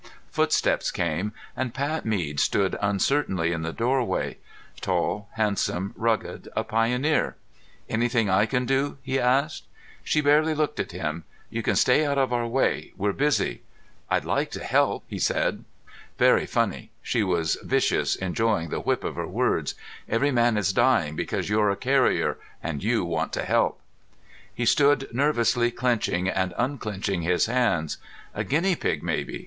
Footsteps came and Pat Mead stood uncertainly in the doorway. Tall, handsome, rugged, a pioneer. "Anything I can do?" he asked. She barely looked at him. "You can stay out of our way. We're busy." "I'd like to help," he said. "Very funny." She was vicious, enjoying the whip of her words. "Every man is dying because you're a carrier, and you want to help." He stood nervously clenching and unclenching his hands. "A guinea pig, maybe.